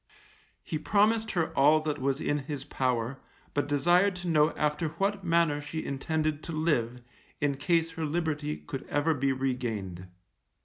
He promised her all that was in his power, but desired to know after what manner she intended to live, in case her liberty could ever be regained.